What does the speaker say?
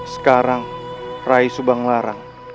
sekarang rai subang larang